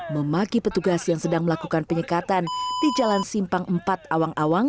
memaki petugas yang sedang melakukan penyekatan di jalan simpang empat awang awang